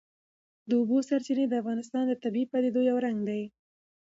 د اوبو سرچینې د افغانستان د طبیعي پدیدو یو رنګ دی.